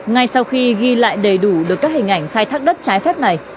ngay sau khi ghi lại đầy đủ được các hình ảnh khai thác đất trái phép này